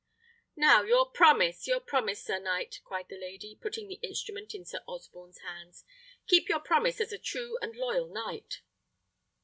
"Now, your promise, your promise, sir knight!" cried the lady, putting the instrument in Sir Osborne's hands; "keep your promise as a true and loyal knight."